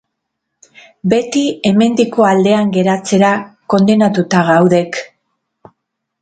Beti hemendiko aldean geratzera kondenatuta gaudek.